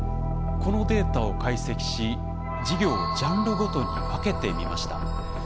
このデータを解析し事業をジャンルごとに分けてみました。